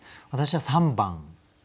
私は３番。